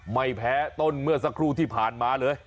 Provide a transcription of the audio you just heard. ไม่แพ้ต้นเมื่อสักครู่ที่ผ่านมาเลย